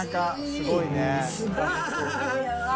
すごいね。